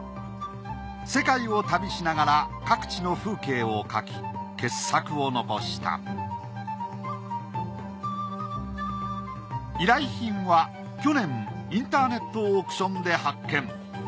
世界を旅しながら各地の風景を描き傑作を残した依頼品は去年インターネットオークションで発見。